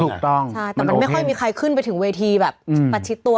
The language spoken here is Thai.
ถูกต้องมันโอเคแล้วไม่ค่อยมีใครขึ้นไปถึงเวทีประชิดตัว